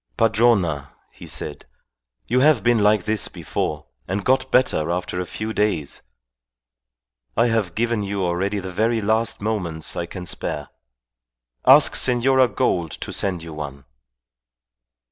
"Padrona," he said, "you have been like this before, and got better after a few days. I have given you already the very last moments I can spare. Ask Senora Gould to send you one."